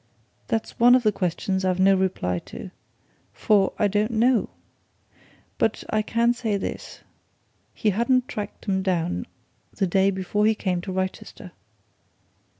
"That's one of the questions I've no reply to. For I don't know! But I can say this. He hadn't tracked 'em down the day before he came to Wrychester!"